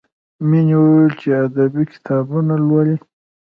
مینې وویل چې ادبي کتابونه لولي